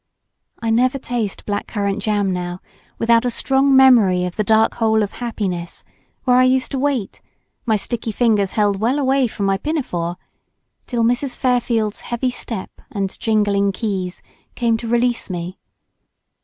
I never taste black currant jam now without a strong memory of the dark hole of happiness, where I used to wait—my sticky fingers held well away from my pinafore—till Mrs. Fairfield's heavy step and jingling keys came to release me.